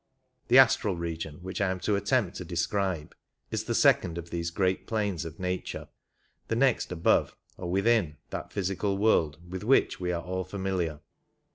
The astral region which I am to attempt to describe is the second of these great planes of nature — the next above (or within) that physical world with which we are all familiar.